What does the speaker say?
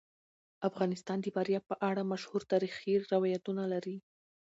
افغانستان د فاریاب په اړه مشهور تاریخی روایتونه لري.